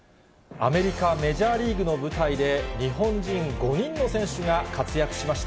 アメリカメジャーリーグの舞台で、日本人５人の選手が活躍しました。